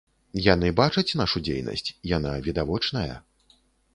Яны бачаць нашу дзейнасць, яна відавочная.